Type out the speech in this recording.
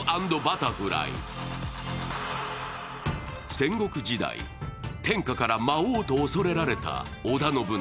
戦国時代天下から魔王と恐れられた織田信長